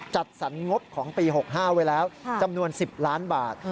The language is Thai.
จัดสรรงบของปี๖๕ไว้แล้วจำนวน๑๐ล้านบาท